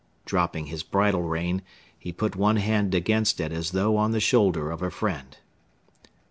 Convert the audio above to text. Dropping his bridle rein he put one hand against it as though on the shoulder of a friend.